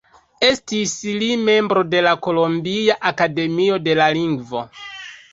Estis li membro de la Kolombia akademio de la lingvo.